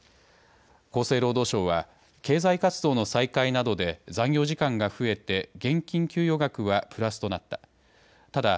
厚生労働省は経済活動の再開などで残業時間が増えて現金給与額はプラスとなった。